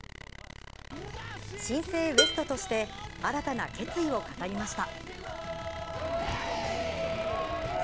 新生ＷＥＳＴ．として新たな決意を語りました。